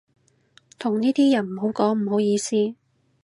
同呢啲人唔好講唔好意思